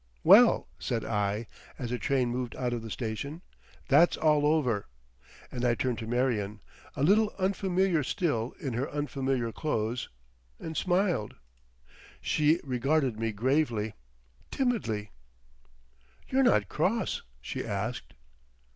"Well," said I, as the train moved out of the station, "That's all over!" And I turned to Marion—a little unfamiliar still, in her unfamiliar clothes—and smiled. She regarded me gravely, timidly. "You're not cross?" she asked.